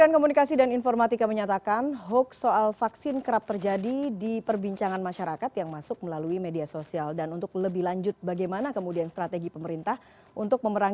kominfo juga menyatakan sejumlah hoax yang berperan di media sosial dan sudah dilakukan penindakan